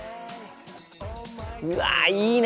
うわいいね！